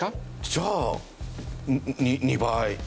じゃあ２倍。